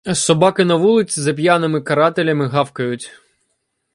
Собаки на вулиці за п'яними карателями гавкають.